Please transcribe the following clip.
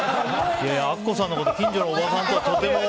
アッコさんのこと近所のおばちゃんとは思えない。